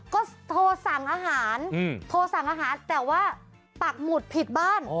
ก็โทรสั่งอาหารแต่ว่าปักหมุดผิดบ้าน